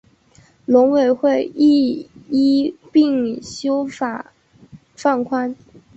农委会亦一并修法放宽